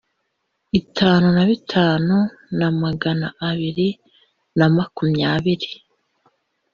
Itanu na bitanu na magana abiri na makumyabiri